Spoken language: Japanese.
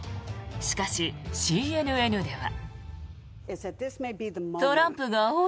しかし、ＣＮＮでは。